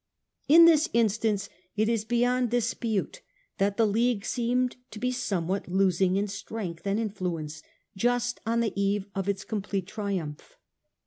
In this instance it is beyond dispute that the League seemed to be somewhat losing in strength and influence just on the eve of its complete triumph.